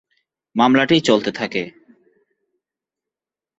মামলাটি চলতে থাকে।